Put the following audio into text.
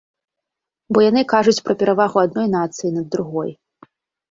Бо яны кажуць пра перавагу адной нацыі над другой.